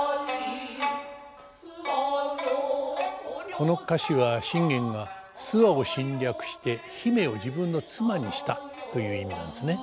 この歌詞は信玄が諏訪を侵略して姫を自分の妻にしたという意味なんですね。